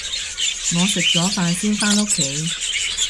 我食咗飯先返屋企